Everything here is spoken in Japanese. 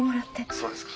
そうですか。